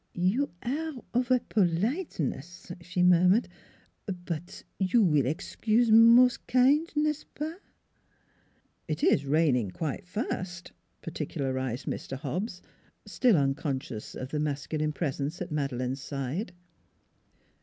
" You aire of a politeness," she murmured. "But you will excuse mos' kind, n'est ce pasf "" It is raining quite fast," particularized Mr. Hobbs, still unconscious of the masculine pres ence at Madeleine's side.